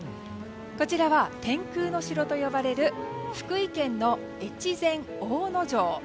こちらは天空の城と呼ばれる福井県の越前大野城。